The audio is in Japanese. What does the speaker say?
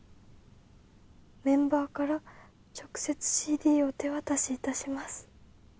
メンバーから直接ＣＤを手渡しいたします！」。